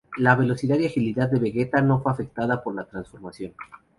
La velocidad y agilidad de "Vegeta" no fue afectada por la transformación.